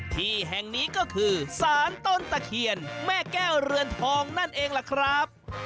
ที่แห่งนี้ก็คือสารต้นตะเคียนแม่แก้วเรือนทองนั่นเองล่ะครับ